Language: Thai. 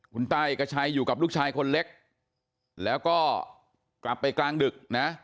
คุณต้าเอกชัยอยู่กับลูกชายคนเล็กแล้วก็กลับไปกลางดึกนะ